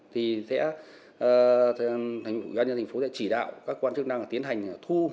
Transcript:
thì quý bác nhân thành phố sẽ chỉ đạo các quan chức năng tiến hành